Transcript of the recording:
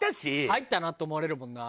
入ったなって思われるもんな。